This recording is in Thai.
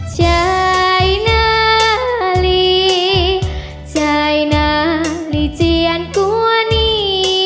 ใจน้าลี้ใจน้าลี้เจียนกว่านี้